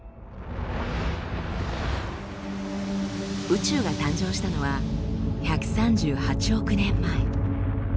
宇宙が誕生したのは１３８億年前。